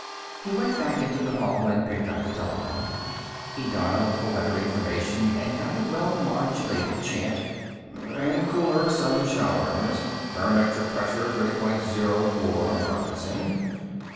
He went back into the hall and picked up the telephone; he dialed for Weather Information, and got a well modulated chant: " and cooler, some showers. Barometric pressure thirty point zero four, rising